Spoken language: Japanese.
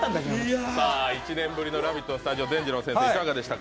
１年ぶりの「ラヴィット！」のスタジオ、いかがでしたか？